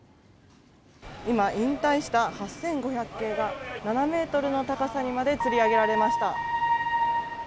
今、引退した８５００系が７ｍの高さにまでつり上げられました。